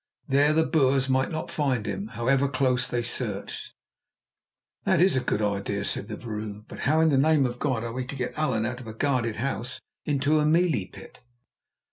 There the Boers might not find him, however close they searched." "That is a good idea," said the vrouw; "but how in the name of God are we to get Allan out of a guarded house into a mealie pit?"